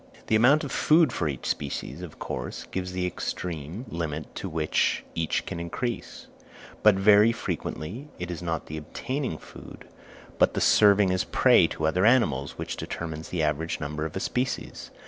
The amount of food for each species, of course, gives the extreme limit to which each can increase; but very frequently it is not the obtaining food, but the serving as prey to other animals, which determines the average number of a species.